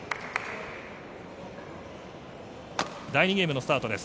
第２ゲームのスタートです。